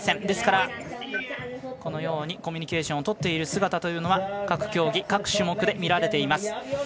ですからこのようにコミュニケーションをとる姿は各競技、各種目で見られています。